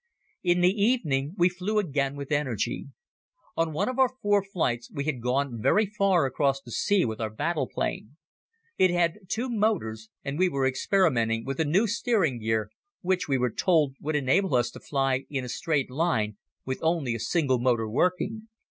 In the evening we flew again with energy. On one of our flights we had gone very far across the sea with our battle plane. It had two motors and we were experimenting with a new steering gear which, we were told, would enable us to fly in a straight line with only a single motor working.